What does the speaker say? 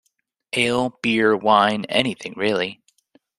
Ale, beer, wine, anything really.